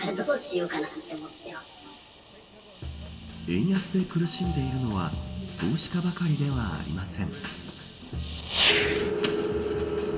円安で苦しんでいるのは投資家ばかりではありません。